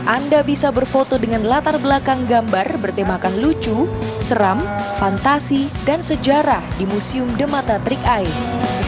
anda bisa berfoto dengan latar belakang gambar bertemakan lucu seram fantasi dan sejarah di museum the mata trik air